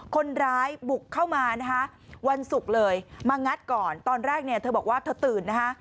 คนร้ายบุกเข้ามานะคะวันศุกร์เลยมางัดก่อนตอนแรกเนี่ยเธอบอกว่าเธอตื่นนะคะ